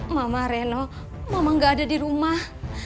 mama reno mama gak ada di rumah